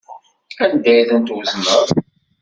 Anda ay tent-twezneḍ?